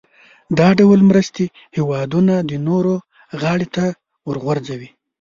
دا ډول مرستې هېوادونه د نورو غاړې ته ورغورځوي.